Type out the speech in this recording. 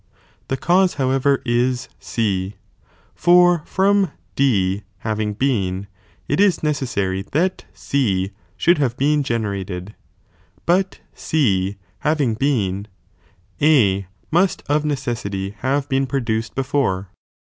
The cause how ever 18 C, for from D having been, it is necessary that C should have been generated, but C having been, A must of necessity have been produced before.